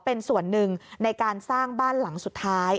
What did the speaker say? เป็นส่วนหนึ่งในการสร้างบ้านหลังสุดท้าย